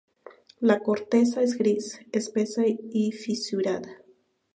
La corteza es gris, espesa y fisurada.